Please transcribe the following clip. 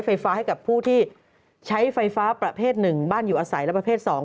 ไฟฟ้าให้กับผู้ที่ใช้ไฟฟ้าประเภท๑บ้านอยู่อาศัยและประเภท๒